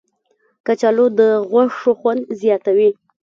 کچالو د غوښو خوند زیاتوي